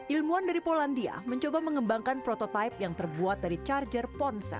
ilmuwan dari polandia mencoba mengembangkan prototipe yang terbuat dari charger ponsel